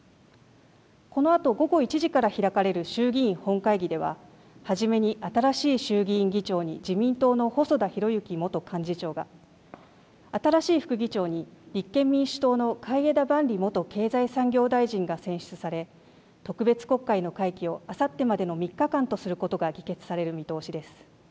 このあと午後１時から開かれる衆議院本会議では初めに新しい衆議院議長に自民党の細田博之元幹事長が、新しい副議長に立憲民主党の海江田万里元経済産業大臣が選出され特別国会の会期をあさってまでの３日間とすることが議決される見通しです。